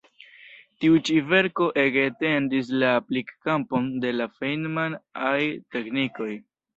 Tiu ĉi verko ege etendis la aplik-kampon de la Feinman-aj teknikoj.